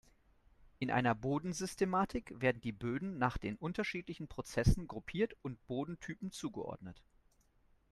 In einer Bodensystematik werden die Böden nach den unterschiedlichen Prozessen gruppiert und Bodentypen zugeordnet.